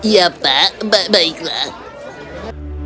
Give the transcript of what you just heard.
ya pak baiklah